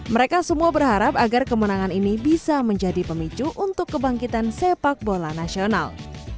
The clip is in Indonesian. mereka semua berharap agar kemenangan ini bisa menjadi pemicu untuk kebangkitan sepak bola nasional